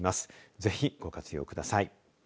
ぜひご活用ください。